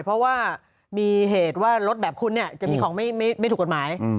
เพราะว่ามีเหตุว่ารถแบบคุณเนี่ยจะมีของไม่ถูกกฎหมาย